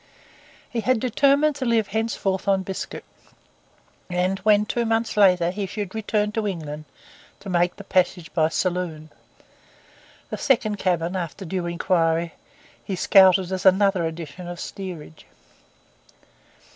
He had determined to live henceforth on biscuit; and when, two months later, he should return to England, to make the passage by saloon. The second cabin, after due inquiry, he scouted as another edition of the steerage.